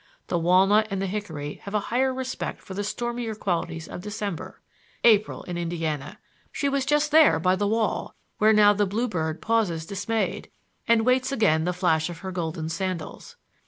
The walnut and the hickory have a higher respect for the stormier qualities of December. April in Indiana! She was just there by the wall, where now the bluebird pauses dismayed, and waits again the flash of her golden sandals.